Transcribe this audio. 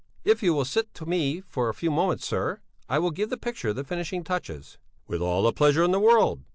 "If you will sit to me for a few moments, sir, I will give the picture the finishing touches." "With all the pleasure in the world."